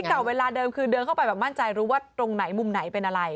เก่าเวลาเดิมคือเดินเข้าไปแบบมั่นใจรู้ว่าตรงไหนมุมไหนเป็นอะไร